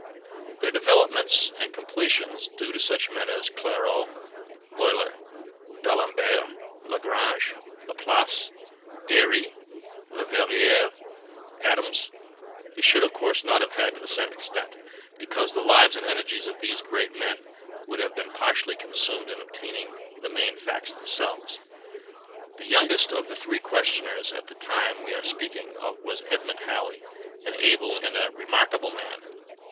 Their developments and completions, due to such men as Clairaut, Euler, D'Alembert, Lagrange, Laplace, Airy, Leverrier, Adams, we should of course not have had to the same extent; because the lives and energies of these great men would have been partially consumed in obtaining the main facts themselves. The youngest of the three questioners at the time we are speaking of was Edmund Halley, an able and remarkable man.